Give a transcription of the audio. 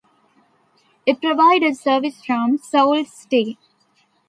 It provided service from Sault Ste.